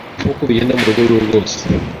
Nk’uko bigenda mu rugo urwo arirwo rwose